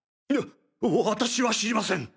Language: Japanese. わ私は知りません。